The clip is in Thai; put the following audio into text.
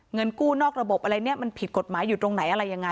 เงินกู้นอกระบบอะไรเนี่ยมันผิดกฎหมายอยู่ตรงไหนอะไรยังไง